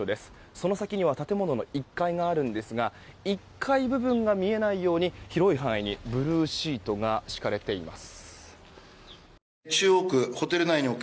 その先には建物の１階があるんですが１階部分が見えないように広い範囲にブルーシートが敷かれています。